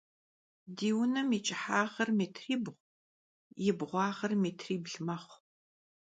Di vunem yi ç'ıhağır mêtribğu, yi bğuağır mêtribl mexhu.